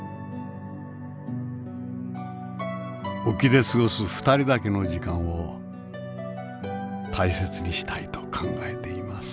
沖で過ごす２人だけの時間を大切にしたいと考えています。